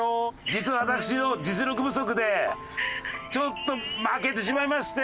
実は私の実力不足でちょっと負けてしまいまして。